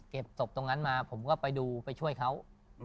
ศพตรงนั้นมาผมก็ไปดูไปช่วยเขา